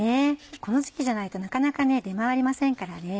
この時期じゃないとなかなか出回りませんからね。